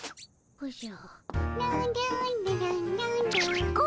おじゃ。